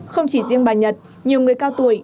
không chỉ riêng bà nhật nhiều người cao tuổi